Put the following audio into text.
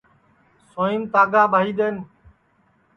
سوںئیم دھاگا ٻائی دؔین